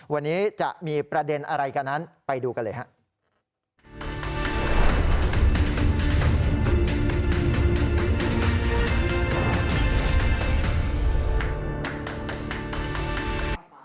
วันนี้จะมีประเด็นอะไรกันนั้นไปดูกันเลยครับ